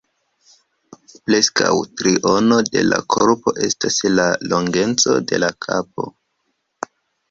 Preskaŭ triono de la korpo estas la longeco de la kapo.